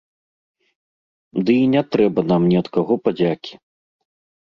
Ды і не трэба нам ні ад каго падзякі.